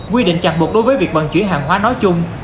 quy định chằm buộc đối với việc bằng chuyển hàng hóa nói chung